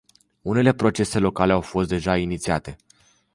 Unele procese locale au fost deja inițiate.